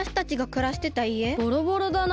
ボロボロだな。